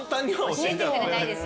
教えてくれないですよね。